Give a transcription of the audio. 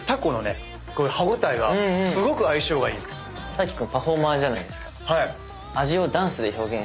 大樹君パフォーマーじゃないですか。